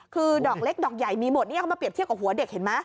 คือดอกเล็กดอกใหญ่มีหมดนี่เขามาเรียบเทียบกับหัวเด็กเห็นไหม